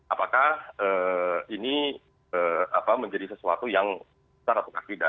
apakah ini menjadi sesuatu yang secara tegak tidak